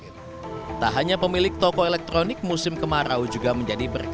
tak hanya pemilik toko elektronik musim kemarau juga menjadi berkah